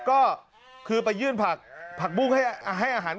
ก็คือไปยื่นผักผักบุ้งให้อาหารควาย